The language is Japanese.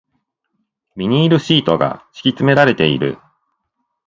ビニールシートが敷き詰められている